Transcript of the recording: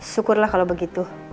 sukurlah kalau begitu